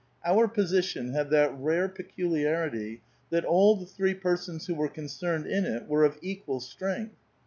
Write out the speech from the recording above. Our position had that rare peculiarity that all the three persons who were concerned in it were of equal strength.